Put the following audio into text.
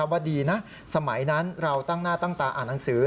ว่าดีนะสมัยนั้นเราตั้งหน้าตั้งตาอ่านหนังสือ